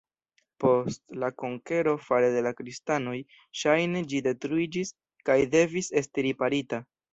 Post la konkero fare de la kristanoj ŝajne ĝi detruiĝis kaj devis esti riparita.